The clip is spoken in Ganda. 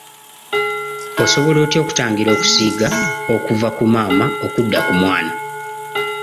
Osobola otya okutangira okusiiga okuva ku maama okudda ku mwana?